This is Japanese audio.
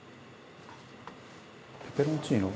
「ペペロンチーノ？